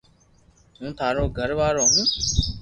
ھون ٿارو گھر وارو ھون